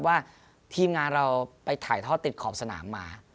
ว่าทีมงานเราไปถ่ายทอดติดขอบสนามมา